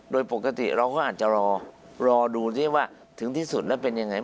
โดยปกติเราก็อาจจะรอรอดูซิว่าถึงที่สุดแล้วเป็นยังไง